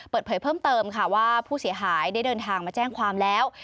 เปิดเผยเพิ่มเติมค่ะว่าผู้เสียหายได้เดินทางมาแจ้งความแล้ว